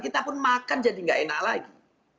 kita pun makan jadi nggak enak lagi